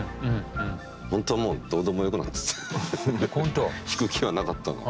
本当もうどうでもよくなってて弾く気はなかったの。